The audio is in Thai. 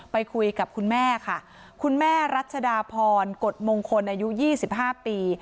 ไปคุยกับคุณแม่ค่ะคุณแม่รัชดาพรกฎมงคลอายุ๒๕ปี